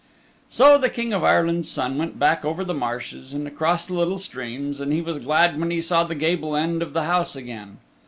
So the King of Ireland's Son went back over the marshes and across the little streams, and he was glad when he saw the gable end of the house again.